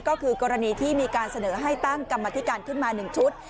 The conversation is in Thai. ก็คือกรณีที่มีการเสนอให้ตั้งกรรมธิการขึ้นมา๑ชุด